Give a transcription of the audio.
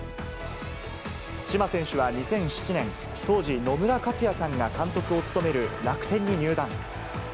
嶋選手は２００７年、当時、野村克也さんが監督を務める楽天に入団。